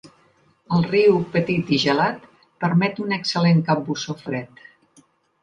El riu petit i gelat permet un excel·lent capbussó fred.